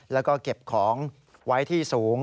แล้วก็เก็บของไว้ที่สูง